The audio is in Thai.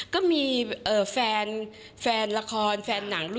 ก็มีแฟนละครแฟนนางรุ่นแม่